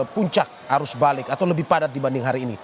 puncak arus balik atau lebih padat dibanding hari ini